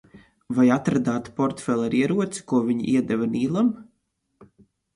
Vai atradāt portfeli ar ieroci, ko viņi iedeva Nīlam?